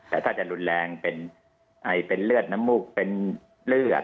แต่ถ้าจะรุนแรงเป็นไอเป็นเลือดน้ำมูกเป็นเลือด